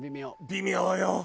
微妙よ。